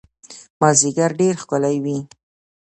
مازیګر ډېر ښکلی وي